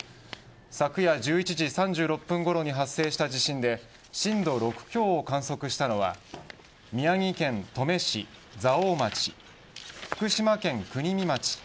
昨夜１１時３６分ごろに発生した地震で震度６強を観測したのは宮城県登米市蔵王町福島県国見町